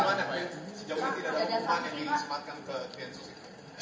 disempatkan ke densus ini